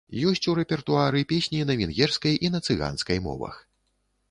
Ёсць у рэпертуары песні на венгерскай і на цыганскай мовах.